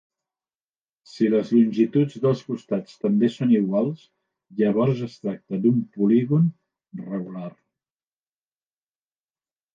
Si les longituds dels costats també són iguals, llavors es tracta d'un polígon regular.